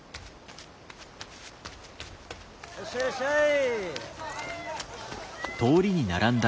いらっしゃいいらっしゃい！